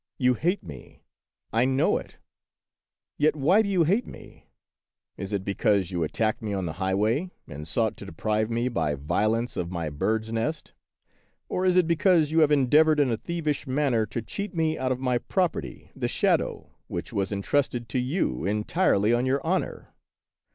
You hate me; I know it ; yet why do you hate me } Is it be cause you attacked me on the highway and sought to deprive me by violence of my bird's nest ? Or is it because you have endeavored in a thievish manner to cheat me out of my prop erty, the shadow, which was intrusted to you entirely on your honor